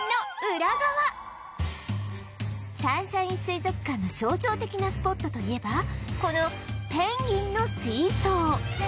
サンシャイン水族館の象徴的なスポットといえばこのペンギンの水槽